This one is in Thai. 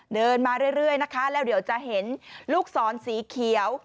เดินมาเรื่อยนะคะแล้วเดี๋ยวจะเห็นลูกศรสีเขียว